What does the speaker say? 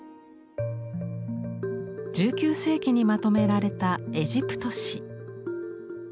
１９世紀にまとめられた「エジプト誌」。